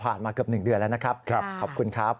มาเกือบ๑เดือนแล้วนะครับขอบคุณครับ